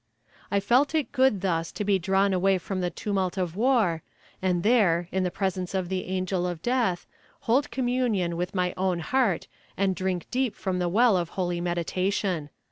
I felt it good thus to be drawn away from the tumult of war, and there, in the presence of the angel of death, hold communion with my own heart and drink deep from the well of holy meditation.